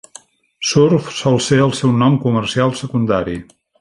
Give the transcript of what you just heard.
Surf sol ser el seu nom comercial secundari.